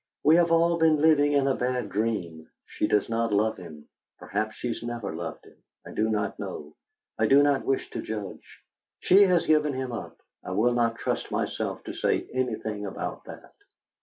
We have all been living in a bad dream. She does not love him perhaps has never loved him. I do not know; I do not wish to judge. She has given him up. I will not trust myself to say anything about that.